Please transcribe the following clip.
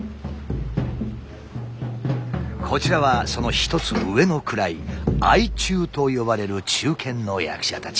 こちらはその１つ上の位相中と呼ばれる中堅の役者たち。